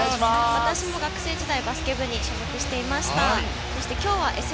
私も学生時代、バスケ部に所属していました。